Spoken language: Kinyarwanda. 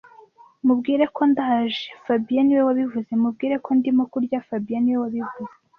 Mubwire ko ndaje fabien niwe wabivuze Mubwire ko ndimo kurya fabien niwe wabivuze